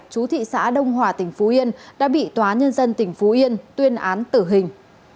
chú thị xã đông hòa tỉnh phú yên đã bị tòa nhân dân tỉnh phú yên tuyên án tử hình